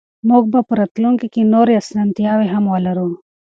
موږ به په راتلونکي کې نورې اسانتیاوې هم ولرو.